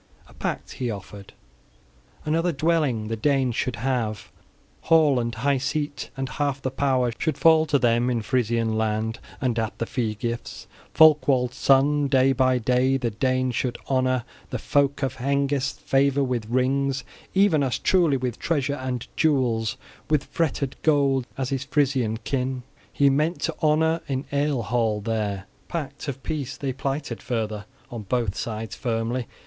A pact he offered: another dwelling the Danes should have, hall and high seat, and half the power should fall to them in Frisian land; and at the fee gifts, Folcwald's son day by day the Danes should honor, the folk of Hengest favor with rings, even as truly, with treasure and jewels, with fretted gold, as his Frisian kin he meant to honor in ale hall there. Pact of peace they plighted further on both sides firmly.